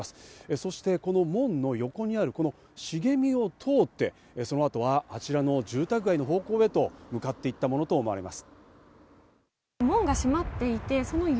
そして門の横にあるこの茂みを通って、その後はあちらの住宅街の方向へと向かっていったものとみられます。